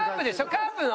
カープの？